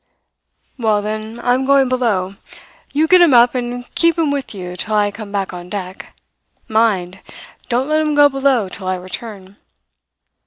"'Well, then, I am going below. You get him up and keep him with you till I come back on deck. Mind! Don't let him go below till I return.'